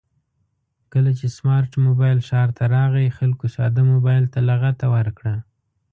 کله چې سمارټ مبایل ښار ته راغی خلکو ساده مبایل ته لغته ورکړه